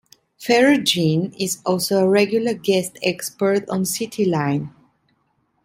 Ferragine is also a regular guest expert on "Cityline".